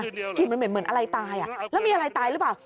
กลิ่นมันเหมือนอะไรตายแล้วมีอะไรตายหรือเปล่า